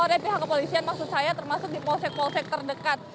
oleh pihak kepolisian maksud saya termasuk di polsek polsek terdekat